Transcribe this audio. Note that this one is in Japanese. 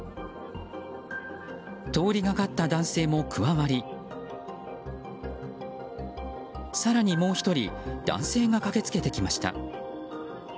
通りがかった男性も加わり更にもう１人男性が駆けつけてきました。